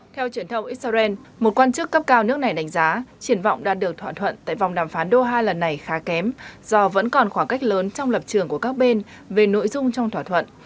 theo truyền thông israel một quan chức cấp cao nước này đánh giá triển vọng đạt được thỏa thuận tại vòng đàm phán doha lần này khá kém do vẫn còn khoảng cách lớn trong lập trường của các bên về nội dung trong thỏa thuận